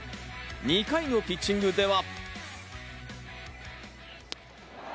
２回のピッチングでは。